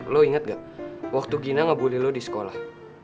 lo ingat gak waktu gina ngebully lo di sekolah